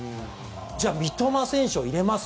じゃあ、三笘選手を入れます